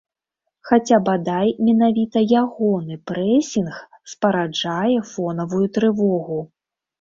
Хаця, бадай, менавіта ягоны прэсінг спараджае фонавую трывогу.